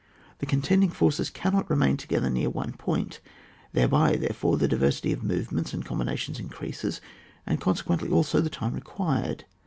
The contending forces cannot remain to gether near one point; thereby, therefore, the diversity of movements and combina tions increases, and, consequently, also the time required.